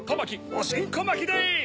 おしんこまきでい！